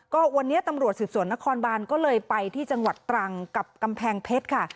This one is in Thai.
ก็วันนี้ตำรวจสืบสวนนครบานก็เลยไปที่จังหวัดตรังกับกำแพงเพชรค่ะ